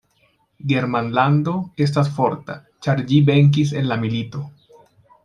Germanlando estas forta, ĉar ĝi venkis en la milito.